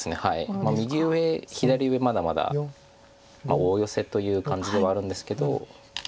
右上左上まだまだ大ヨセという感じではあるんですけど。